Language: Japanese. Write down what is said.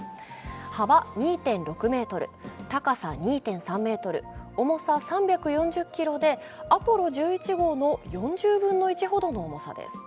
幅２．６ｍ、高さ２．３ｍ、重さ３４０ｋｇで、「アポロ１１号」の４０分の１ほどの重さです。